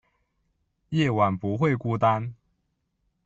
夜晚不会孤单